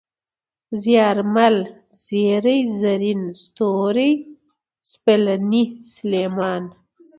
زيارمل ، زېرى ، زرين ، ستوری ، سپېلنی ، سلېمان